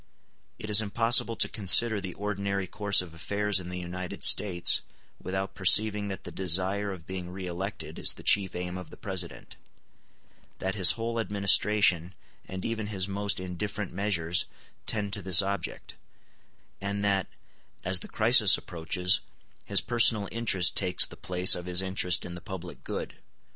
It is impossible to consider the ordinary course of affairs in the United States without perceiving that the desire of being re elected is the chief aim of the President; that his whole administration, and even his most indifferent measures, tend to this object; and that, as the crisis approaches, his personal interest takes the place of his interest in the public good.